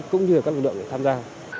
cũng như các lực lượng tham gia